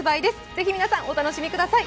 ぜひ皆さん、お楽しみください。